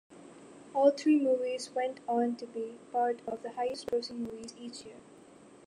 All three movies went on to be part of the highest-grossing movies each year.